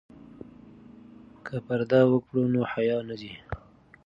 که پرده وکړو نو حیا نه ځي.